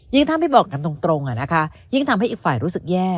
ยิ่งถ้าไม่บอกนำตรงอ่ะนะคะยิ่งทำให้อีกฝ่ายรู้สึกแย่